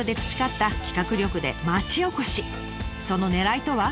そのねらいとは。